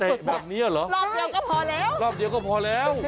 ต้องต้องเตะแบบนี้เหรอรอบเดียวก็พอแล้ว